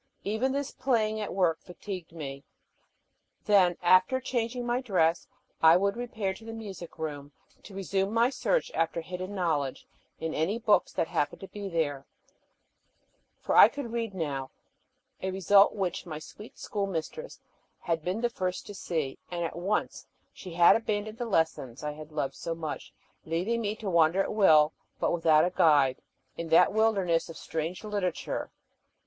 Even this playing at work fatigued me. Then, after changing my dress, I would repair to the music room to resume my search after hidden knowledge in any books that happened to be there; for I could read now, a result which my sweet schoolmistress had been the first to see, and at once she had abandoned the lessons I had loved so much, leaving me to wander at will, but without a guide, in that wilderness of a strange literature.